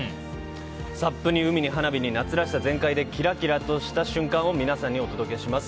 ＳＵＰに海に花火に夏らしさ全開でキラキラとした瞬間を皆さんにお届けします。